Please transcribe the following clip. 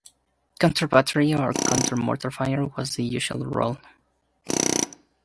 Counter-battery or counter-mortar fire was the usual role.